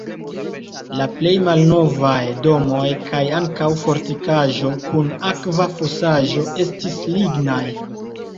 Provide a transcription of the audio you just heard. La plej malnovaj domoj kaj ankaŭ fortikaĵo kun akva fosaĵo estis lignaj.